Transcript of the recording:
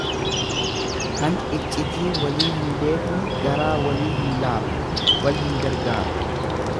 Kan iccitii walii hin beekne garaa walii hin laafu; wal hin gargaaru.